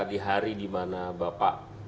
di hari dimana bapak